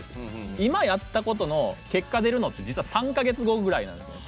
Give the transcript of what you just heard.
今やったことの結果出るのって実は３か月後ぐらいなんです。